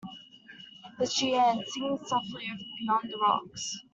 It was Jeanne singing softly over beyond the rocks.